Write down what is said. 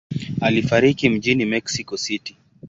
Alifariki mjini Mexico City.